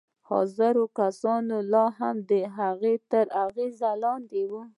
حاضر کسان لا هم د هغه تر اغېز لاندې وو